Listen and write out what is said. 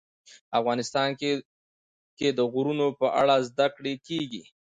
افغانستان کې د غرونه په اړه زده کړه کېږي.